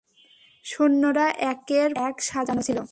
সৈন্যরা একের পর এক সাজানো ছিল।